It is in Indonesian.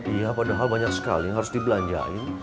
iya padahal banyak sekali yang harus dibelanjain